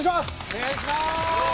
お願いします！